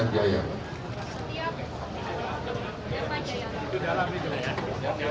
jatian epa jayante